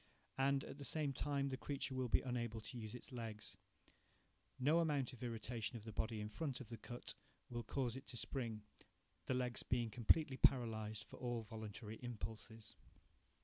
And, at the same time, the creature will be unable to use its legs. No amount of irritation of the body in front of the cut will cause it to spring, the legs being completely paralyzed for all voluntary impulses.